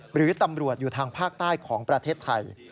หรือตำรวจอยู่ทางภาคใต้ของประเทศไทย